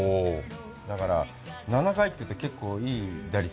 だから、７回というといい打率。